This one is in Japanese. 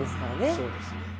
そうですね。